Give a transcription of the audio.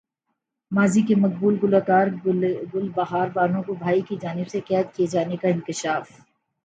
ماضی کی مقبول گلوکارہ گل بہار بانو کو بھائی کی جانب سے قید کیے جانے کا انکشاف